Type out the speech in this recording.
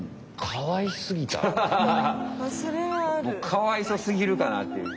かわいそすぎるかなっていう。